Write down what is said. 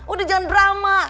udah jangan drama